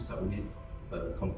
satu untuk mereka menulis kerja mereka